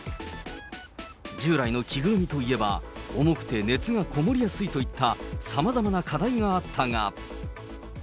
従来の着ぐるみといえば、重くて熱がこもりやすいといったさまざまな課題があったが。